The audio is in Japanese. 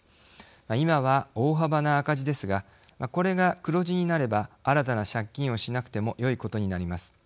今は大幅な赤字ですがこれが黒字になれば新たな借金をしなくてもよいことになります。